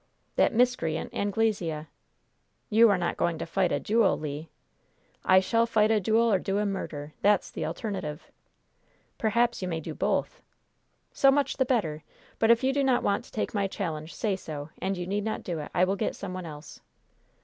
"That miscreant Anglesea." "You are not going to fight a duel, Le?" "I shall fight a duel or do a murder! That's the alternative!" "Perhaps you may do both." "So much the better! But, if you do not want to take my challenge, say so, and you need not do it. I will get some one else."